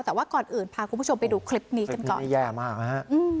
แต่ว่าก่อนอื่นพาคุณผู้ชมไปดูคลิปนี้กันก่อนนี่แย่มากนะฮะ